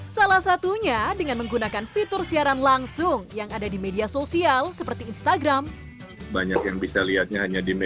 salah satunya dengan menggunakan fitur siaran langsung yang ada di media sosial seperti instagram